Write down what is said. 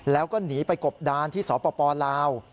แล้วก็หนีไปกบดานที่สปลาว